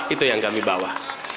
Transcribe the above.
itu yang kami bawa